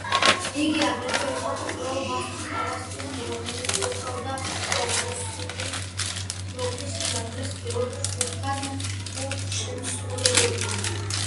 იგი აგრეთვე იყო პოპულარულ ბას-გიტარისტი, რომელიც უკრავდა პროგრესული როკის ჟანრის ბევრ ჯგუფთან თუ შემსრულებელთან.